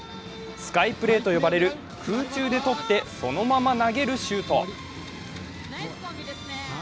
スカイプレーと呼ばれる空中でとってそのまま投げるシュート。